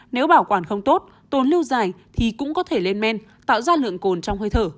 nếu bảo quản không tốt tồn lưu dài thì cũng có thể lên men tạo ra lượng cồn trong hơi thở